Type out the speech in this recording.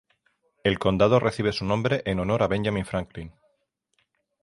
El condado recibe su nombre en honor a Benjamin Franklin.